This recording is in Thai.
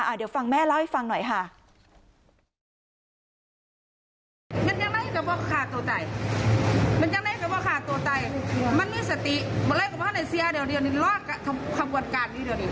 เดี๋ยวฟังแม่เล่าให้ฟังหน่อยค่ะ